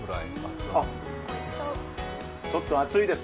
ちょっと熱いです。